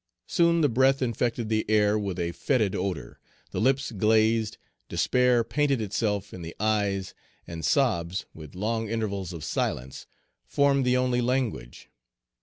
Soon the breath infected the air with a fetid odor, the lips glazed, despair painted itself in the eyes, and sobs, with long intervals of silence, formed the only language.